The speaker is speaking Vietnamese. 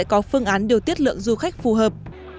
có phương án điều tiết lượng du khách phù hợp